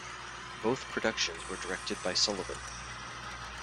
Both productions were directed by Sullivan.